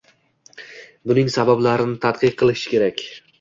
Buning sabablarini tadqiq etish kerak.